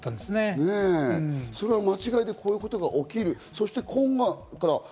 それが間違いでこういうことが起きる。